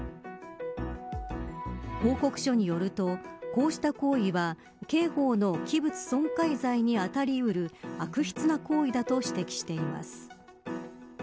報告書によると、こうした行為は刑法の器物損壊外に当たりうる悪質な行為だと指摘しています。